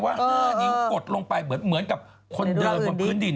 ๕นิ้วกดลงไปเหมือนกับคนเดินบนพื้นดิน